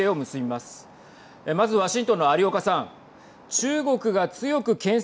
まず、ワシントンの有岡さん。